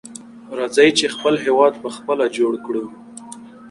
راځئ چې خپل هېواد په خپله جوړ کړو.